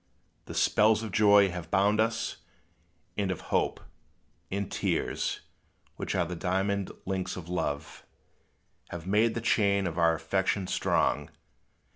The spells of joy have bound us and of hope, And tears which are the diamond links of love Have made the chain of our affection strong.